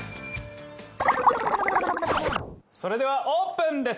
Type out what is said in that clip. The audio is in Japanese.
それではオープンです。